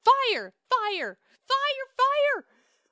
Fire! fire! fire! fire!